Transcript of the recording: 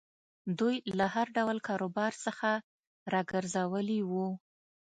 دوی له هر ډول کاروبار څخه را ګرځولي وو.